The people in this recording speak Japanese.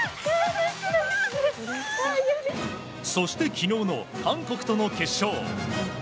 そして、昨日の韓国との決勝。